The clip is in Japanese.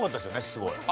すごい。